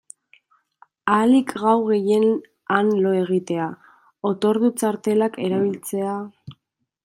Ahalik gau gehien han lo egitea, otordu-txartelak erabiltzea...